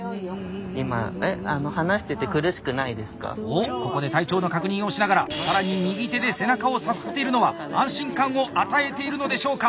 おっここで体調の確認をしながら更に右手で背中をさすっているのは安心感を与えているのでしょうか。